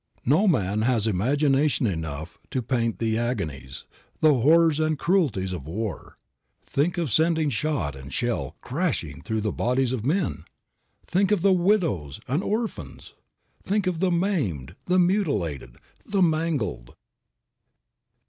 No man has imagination enough to paint the agonies, the horrors and cruelties of war. Think of sending shot and shell crashing through the bodies of men! Think of the widows and orphans! Think of the maimed, the mutilated, the mangled!